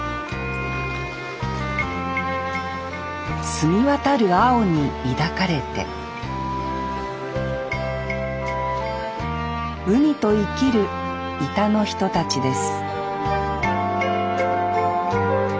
澄みわたる青に抱かれて海と生きる井田の人たちです